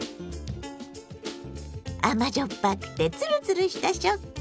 甘じょっぱくてつるつるした食感。